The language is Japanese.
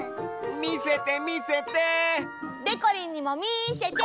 みせてみせて！でこりんにもみせて！